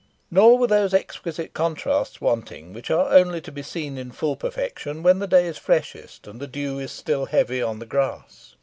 Nor were those exquisite contrasts wanting, which are only to be seen in full perfection when the day is freshest and the dew is still heavy on the grass.